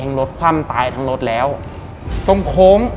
เองลดความตายทางรถแล้วตรงโค้ง